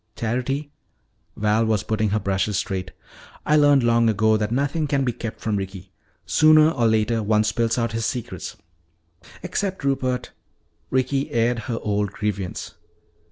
"Charity," Val was putting her brushes straight, "I learned long ago that nothing can be kept from Ricky. Sooner or later one spills out his secrets." "Except Rupert!" Ricky aired her old grievance.